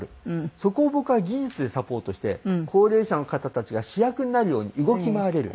そこを僕は技術でサポートして高齢者の方たちが主役になるように動き回れる。